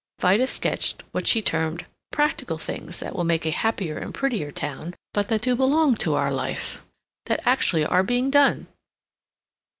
Vida sketched what she termed "practical things that will make a happier and prettier town, but that do belong to our life, that actually are being done."